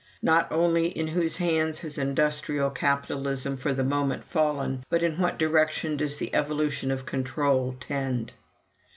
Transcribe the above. Not only, in whose hands has industrial capitalism for the moment fallen, but in what direction does the evolution of control tend?